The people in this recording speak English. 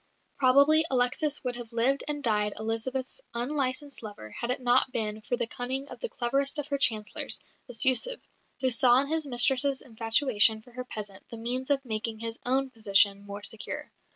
Probably Alexis would have lived and died Elizabeth's unlicensed lover had it not been for the cunning of the cleverest of her Chancellors, Bestyouzhev, who saw in his mistress's infatuation for her peasant the means of making his own position more secure.